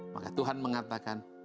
maka tuhan mengatakan